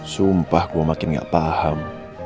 sumpah gua makin nggak paham